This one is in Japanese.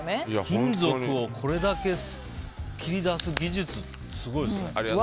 金属をこれだけ切り出す技術ってすごいですね。